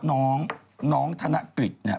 น้องน้องธนกฤษเนี่ย